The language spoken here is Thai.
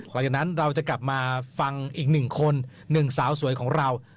หน้าใครโผล่มาในกล้อง